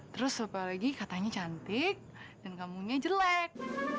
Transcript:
terus apalagi katanya cantik dan kamu nya jelek